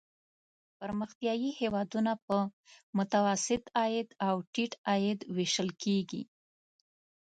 پرمختیايي هېوادونه په متوسط عاید او ټیټ عاید ویشل کیږي.